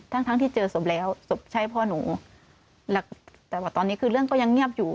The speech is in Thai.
ทั้งทั้งที่เจอศพแล้วศพใช่พ่อหนูแต่ว่าตอนนี้คือเรื่องก็ยังเงียบอยู่